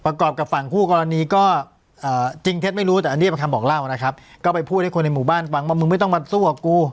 กรอบกับฝั่งคู่กรณีก็จริงเท็จไม่รู้แต่อันนี้เป็นคำบอกเล่านะครับก็ไปพูดให้คนในหมู่บ้านฟังว่ามึงไม่ต้องมาสู้กับกู